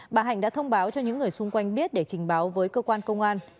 bà hạnh đã thông báo cho những người xung quanh biết để trình báo với cơ quan công an